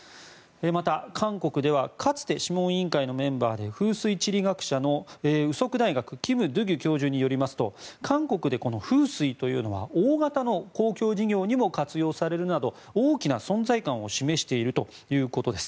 また、韓国ではかつて諮問委員会のメンバーで風水地理学者の又石大学キム・ドゥギュ教授によりますと韓国で風水というのは大型の公共事業にも活用されるなど大きな存在感を示しているということです。